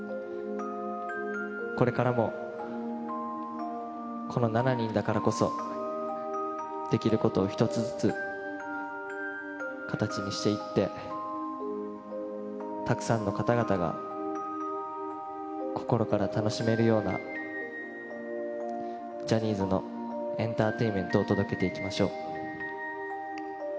これからもこの７人だからこそできることを一つずつ形にしていって、たくさんの方々が心から楽しめるようなジャニーズのエンターテイメントを届けていきましょう。